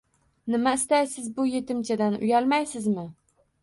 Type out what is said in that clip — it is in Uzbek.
Nima istaysiz bu yetimchadan? Uyalmaysizmi?